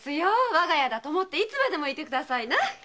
わが家だと思っていつまでも居てくださいな。